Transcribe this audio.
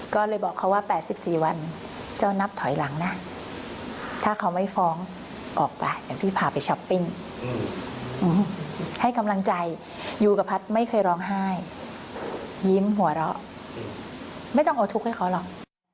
ก็เลยบอกเขาว่า๘๔วันเจ้านับถอยหลังนะถ้าเขาไม่ฟ้องออกไปเดี๋ยวพี่พาไปช้อปปิ้งให้กำลังใจยูกับพัฒน์ไม่เคยร้องไห้ยิ้มหัวเราะไม่ต้องเอาทุกข์ให้เขาหรอก